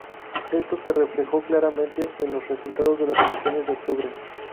Esto se reflejó claramente en los resultados de las elecciones de octubre.